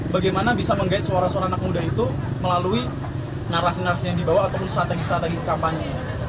bagaimana bisa menggait suara suara anak muda itu melalui narasi narasi yang dibawa ataupun strategi strategi kampanye